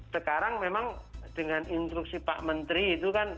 sekarang memang dengan instruksi pak menteri itu kan